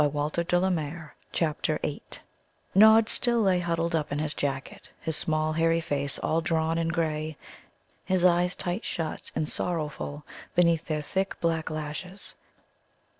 CHAPTER VIII Nod still lay huddled up in his jacket, his small, hairy face all drawn and grey, his eyes tight shut and sorrowful beneath their thick black lashes.